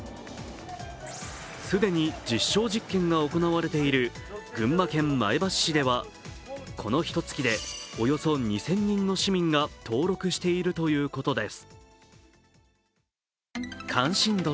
既に実証実験が行われている群馬県前橋市ではこのひと月でおよそ２０００人の市民が登録しているということです。